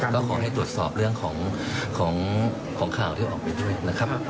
ก็ขอให้ตรวจสอบเรื่องของข่าวที่ออกไปด้วยนะครับ